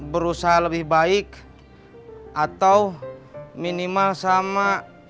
berusaha lebih baik atau minimal sama